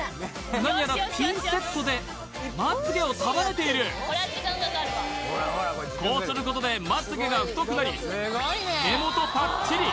何やらピンセットでまつげを束ねているこうすることでまつげが太くなり目元パッチリ